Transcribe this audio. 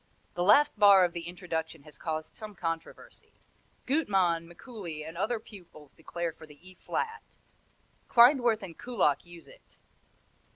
The last bar of the introduction has caused some controversy. Gutmann, Mikuli and other pupils declare for the E flat; Klindworth and Kullak use it.